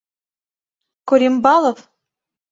Корембалов!